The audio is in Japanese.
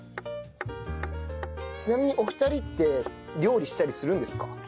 ちなみにお二人って料理したりするんですか？